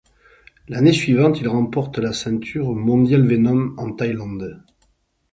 L'année suivante il remporte la ceinture Mondial Venum en Thailande.